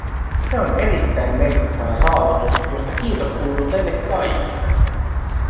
Se on erittäin merkittävä saavutus, josta kiitos kuuluu teille kaikille.